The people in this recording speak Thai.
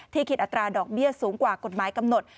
คิดอัตราดอกเบี้ยสูงกว่ากฎหมายกำหนด